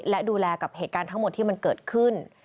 และดูแลกับเหตุการณ์ทั้งหมดที่มันเกิดขึ้น